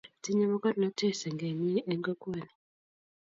Tinyei mokornotee senge nyii eng kokwonik.